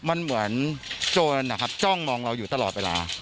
มันเหมือนโจรนะครับจ้องมองเราอยู่ตลอดเวลา